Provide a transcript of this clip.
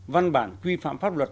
văn bản quy phạm pháp luật